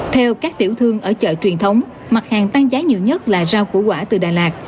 theo các tiểu thương ở chợ truyền thống mặt hàng tăng giá nhiều nhất là rau củ quả từ đà lạt